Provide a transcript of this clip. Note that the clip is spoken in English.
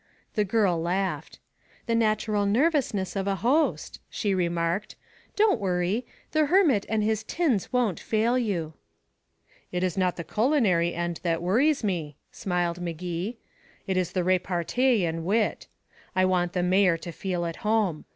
The girl laughed. "The natural nervousness of a host," she remarked. "Don't worry. The hermit and his tins won't fail you." "It's not the culinary end that worries me," smiled Magee. "It's the repartee and wit. I want the mayor to feel at home.